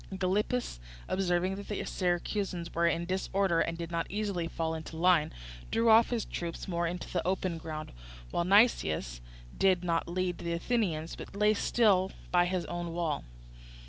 Gylippus, observing that the Syracusans were in disorder and did not easily fall into line, drew off his troops more into the open ground, while Nicias did not lead on the Athenians but lay still by his own wall.